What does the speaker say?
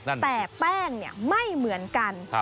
แต่แป้งเนี่ยไม่เหมือนกัน